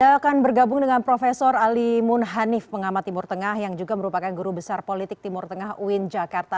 kita akan bergabung dengan prof ali munhanif pengamat timur tengah yang juga merupakan guru besar politik timur tengah uin jakarta